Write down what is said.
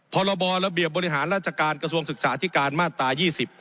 พรบระเบียบบริหารราชการกระทรวงศึกษาธิการมาตราย๒๐